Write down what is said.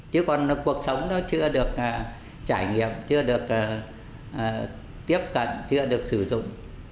chứ còn cuộc sống nó chưa được trải nghiệm chưa được tiếp cận chưa được sử dụng